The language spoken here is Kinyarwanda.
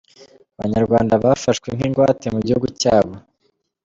-Abanyarwanda bafashwe nk’ingwate mu gihugu cyabo